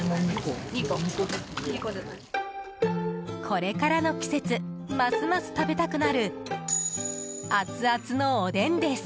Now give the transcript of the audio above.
これからの季節ますます食べたくなる熱々のおでんです。